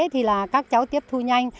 thì là các cháu tiếp thu nhanh